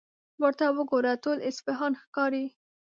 ورته وګوره، ټول اصفهان ښکاري.